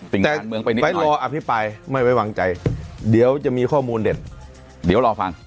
แต่ไปรออภิปรายไม่ไว้วางใจเดี๋ยวจะมีข้อมูลเด็ดเดี๋ยวรอฟัง